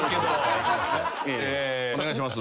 お願いします。